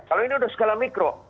kalau ini sudah skala mikro